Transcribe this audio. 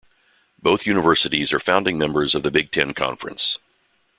Both universities are founding members of the Big Ten Conference.